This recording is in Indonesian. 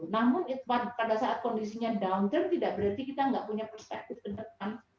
namun pada saat kondisinya downter tidak berarti kita nggak punya perspektif ke depan